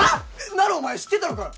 なるお前知ってたのかよ